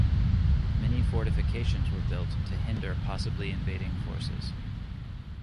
Many fortifications were built to hinder possibly invading forces.